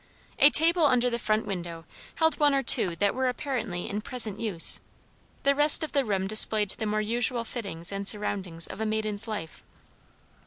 A table under the front window held one or two that were apparently in present use; the rest of the room displayed the more usual fittings and surroundings of a maiden's life.